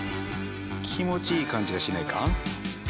気持ちいい感じがしないか？